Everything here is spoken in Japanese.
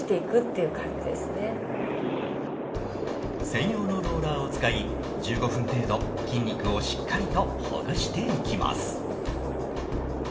専用のローラーを使い１５分程度筋肉をしっかりとほぐしていきます。